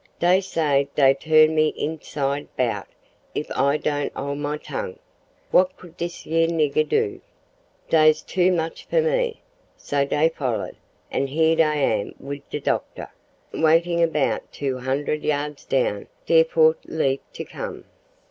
Dey say dey turn me hinside hout if I don't ole my tongue. What could dis yar nigger do? Dey's too much for me. So dey follered, and here dey am wid de doctor, waiting about two hun'rd yards down dere for leave to come.